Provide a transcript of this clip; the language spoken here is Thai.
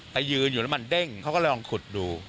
ยืนอยู่แล้วมันเด้งเขาก็เลยลองขุดดู